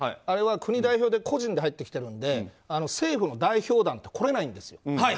あれは国代表で個人で入ってきてるので政府の代表団が来れないんですよ。